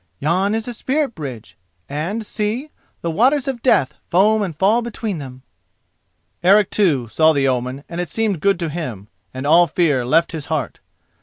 Yon is a Spirit bridge, and, see: the waters of Death foam and fall between them!" Eric, too, saw the omen and it seemed good to him, and all fear left his heart.